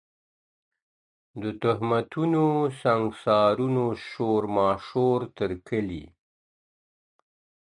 د تهمتونو سنګسارونو شور ماشور تر کلي.